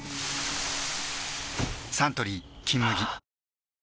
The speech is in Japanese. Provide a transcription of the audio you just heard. サントリー「金麦」